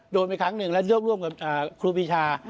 โดนไปครั้งหนึ่งแล้วร่วมกับครูปีชา